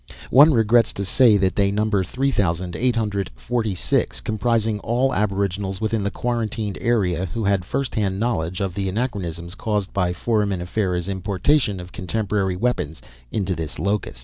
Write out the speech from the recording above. One regrets to say that they number three thousand eight hundred forty six, comprising all aboriginals within the quarantined area who had first hand knowledge of the anachronisms caused by Foraminifera's importation of contemporary weapons into this locus.